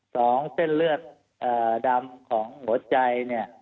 เส้นเลือดดำของหัวใจ